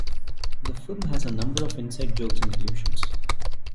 The film has a number of inside jokes and allusions.